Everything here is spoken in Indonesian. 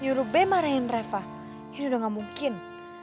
nyuruh be marahin reva ini udah gak mungkin